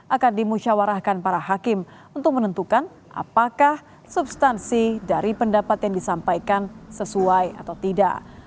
akan dimusyawarahkan para hakim untuk menentukan apakah substansi dari pendapat yang disampaikan sesuai atau tidak